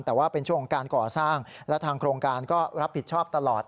แต่ว่าเป็นช่วงของการก่อสร้างและทางโครงการก็รับผิดชอบตลอด